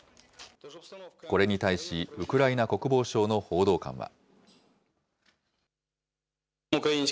これに対し、ウクライナ国防省の報道官は。